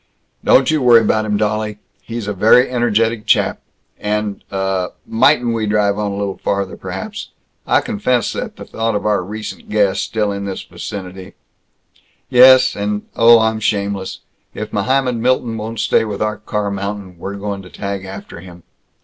"Don't you worry about him, dolly. He's a very energetic chap. And Uh Mightn't we drive on a little farther, perhaps? I confess that the thought of our recent guest still in this vicinity " "Yes, and Oh, I'm shameless. If Mohammed Milton won't stay with our car mountain, we're going to tag after him."